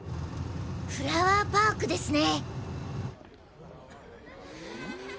フラワーパークですね。